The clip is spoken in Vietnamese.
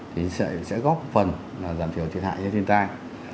thì sẽ góp phần giảm thiểu thiệt hại cho thiên tai